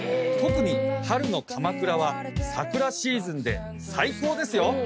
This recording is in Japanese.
特に春の鎌倉は桜シーズンで最高ですよ。